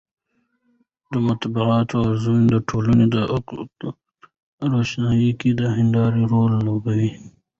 د مطبوعاتو ازادي د ټولنې د حقایقو په روښانولو کې د هندارې رول لوبوي.